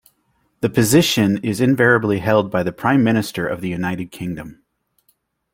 The position is invariably held by the Prime Minister of the United Kingdom.